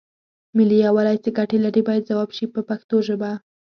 ملي یووالی څه ګټې لري باید ځواب شي په پښتو ژبه.